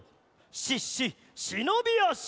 「し・し・しのびあし」。